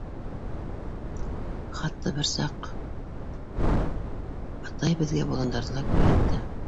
Хатта бер саҡ атай беҙгә боландарҙы ла күрһәтте!